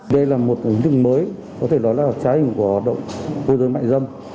đây là một hình thức mới có thể nói là trái hình của hoạt động môi dưới mại dâm